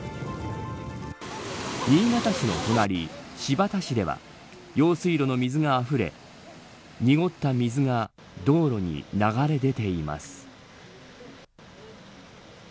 新潟市の隣、新発田市では用水路の水があふれ濁った水が道路に流れ出ています。